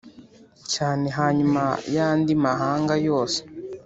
cyane hanyuma y andi mahanga yose